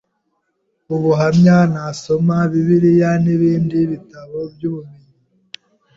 ubuhamya, nasoma Bibiliya n’ibindi bitabo by’ubumenyi